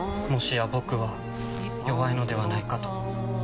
もしや僕は弱いのではないかと。